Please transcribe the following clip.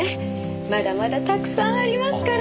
まだまだたくさんありますから。